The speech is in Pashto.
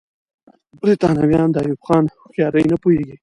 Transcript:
برتانويان د ایوب خان هوښیاري نه پوهېږي.